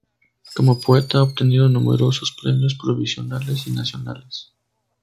Como poeta ha obtenido numerosos premios provinciales y nacionales.